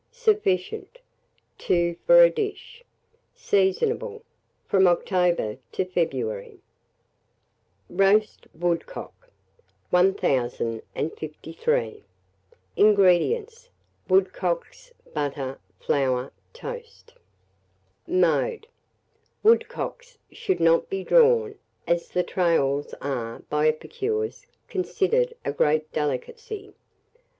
Sufficient, 2 for a dish. Seasonable from October to February. [Illustration: ROAST WOODCOCK.] ROAST WOODCOCK. 1053. INGREDIENTS. Woodcocks; butter, flour, toast. Mode. Woodcocks should not be drawn, as the trails are, by epicures, considered a great delicacy.